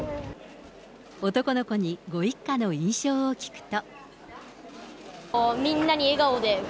男の子にご一家の印象を聞くと。